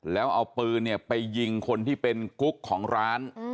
แล้วเอาปืนไปยิงคนที่เป็นกุ๊กของร้าน